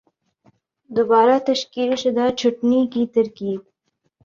دوبارہ تشکیل شدہ چھٹنی کی ترتیب